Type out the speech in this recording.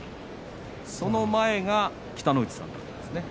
その前が北の富士さんです。